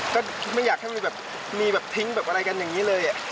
ก็ไม่อยากให้มีแบบมีแบบทิ้งแบบอะไรกันอย่างนี้เลย